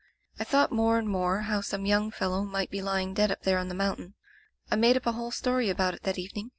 I thought more and more how some young fellow might be lying dead up there on the mountain. I made up a whole story about it that evening.